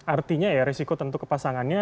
artinya ya risiko tentu kepasangannya